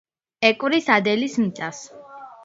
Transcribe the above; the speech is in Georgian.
ეკვრის ადელის მიწას.